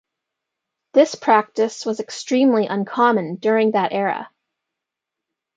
This practice was extremely uncommon during that era.